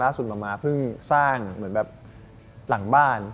หมาม้าเพิ่งสร้างเหมือนแบบหลังบ้าน